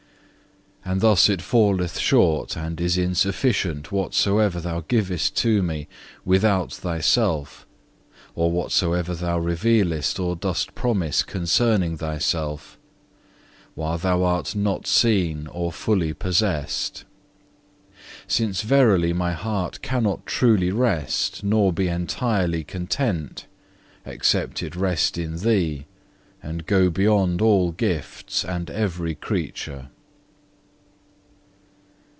And thus it falleth short and is insufficient whatsoever Thou givest to me without Thyself or whatsoever Thou revealest or dost promise concerning Thyself, whilst Thou art not seen or fully possessed: since verily my heart cannot truly rest nor be entirely content, except it rest in Thee, and go beyond all gifts and every creature.